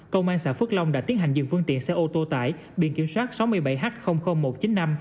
công an xã phước long đã tiến hành dừng phương tiện xe ô tô tải biển kiểm soát sáu mươi bảy h một trăm chín mươi năm